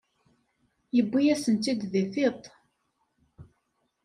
Yewwi-yasen-tt-id di tiṭ.